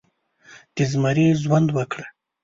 د زمري ژوند وکړه